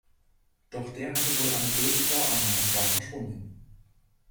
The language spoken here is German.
Doch der hatte wohl eine böse Vorahnung und war verschwunden.